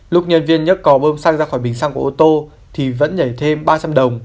lúc nhân viên nhấc cò bơm xăng ra khỏi bình xăng của ô tô thì vẫn nhảy thêm ba trăm linh đồng